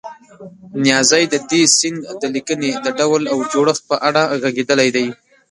نیازی د دې سیند د لیکنې د ډول او جوړښت په اړه غږېدلی دی.